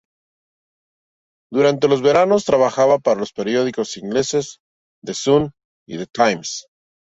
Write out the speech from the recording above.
Durante los veranos trabajaba para los periódicos ingleses "The Sun" y "The Times".